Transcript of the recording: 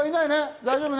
大丈夫ね？